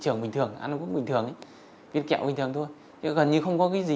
trường bình thường ăn quốc bình thường viên kẹo bình thường thôi gần như không có cái gì